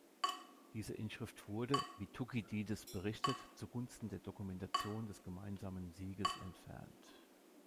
Diese Inschrift wurde, wie Thukydides berichtet, zugunsten der Dokumentation des gemeinsamen Sieges entfernt.